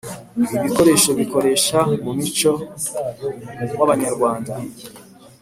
ibi bikoresho bakoresha mu muco w’abanyarwanda.